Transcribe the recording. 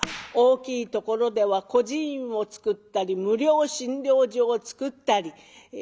大きいところでは孤児院をつくったり無料診療所をつくったり。